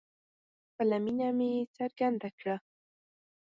خپله مینه مې څرګنده کړه